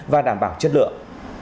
và đảm bảo chất lượng